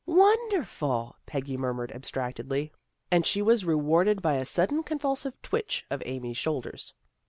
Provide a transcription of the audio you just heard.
" Wonderful! " Peggy murmured abstract edly. And she was rewarded by a sudden con vulsive twitch of Amy's shoulders.